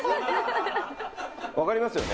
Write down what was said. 分かりますよね。